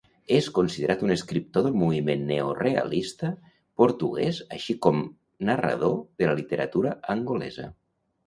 És considerat un escriptor del moviment neorealista portuguès així com narrador de la literatura angolesa.